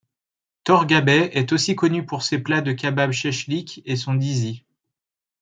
Torghabeh est aussi connu pour ses plats de kababs sheshlik et son dizi.